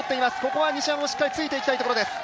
ここは西山もしっかりついていきたいところです。